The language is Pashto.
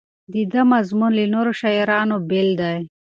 د ده مضمون له نورو شاعرانو بېل دی.